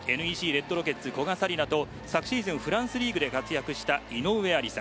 レッドロケッツ古賀紗理那と昨シーズン、フランスリーグで活躍した井上愛里沙。